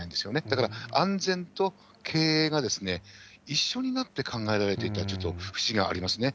だから、安全と経営が一緒になって考えられていたという節がありますね。